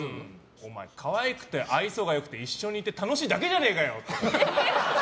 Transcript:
「お前かわいくて愛想がよくて一緒にいて楽しいだけじゃねえかよ」